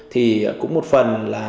thì cũng một phần là